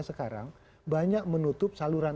sekarang banyak menutup saluran